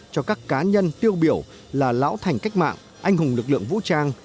cho các cá nhân tiêu biểu là lão thành cách mạng anh hùng lực lượng vũ trang